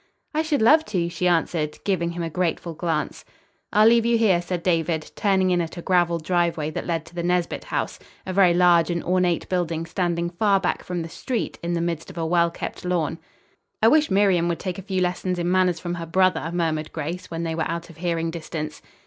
"I should love to," she answered, giving him a grateful glance. "I'll leave you here," said David, turning in at a graveled driveway that led to the Nesbit house, a very large and ornate building standing far back from the street in the midst of a well kept lawn. "I wish Miriam would take a few lessons in manners from her brother," murmured Grace, when they were out of hearing distance.